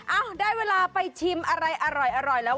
ได้เวลาไปชิมอะไรอร่อยแล้ว